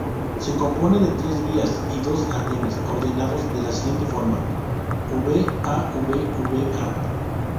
Se compone de tres vías y dos andenes, ordenados de la siguiente forma: v-a-v-v-a.